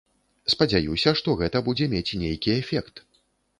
Спадзяюся, што гэта будзе мець нейкі эфект.